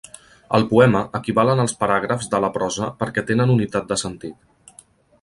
Al poema, equivalen als paràgrafs de la prosa perquè tenen unitat de sentit.